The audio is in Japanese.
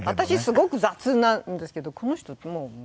すごく雑なんですけどこの人もう。